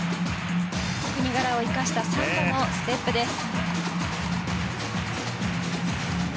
国柄を生かしたサンバのステップです。